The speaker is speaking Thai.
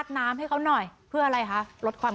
กลับด้านหลักหลักหลัก